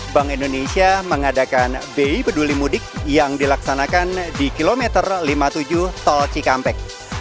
bank indonesia mengadakan bay peduli mudik yang dilaksanakan di kilometer lima puluh tujuh tol cikampek